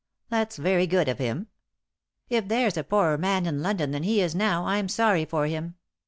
" That's very good of him." "If there's a poorer man in London than he is now, I'm sorry for him.